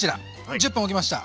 １０分おきました。